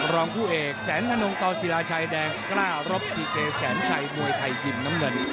รองผู้เอกแสนอนงต่อศิลาชัยแดงกล้ารบดีเกแสนชัยมวยไทยยิมน้ำเงิน